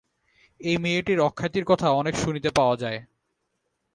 এই মেয়েটির অখ্যাতির কথা অনেক শুনিতে পাওয়া যায়।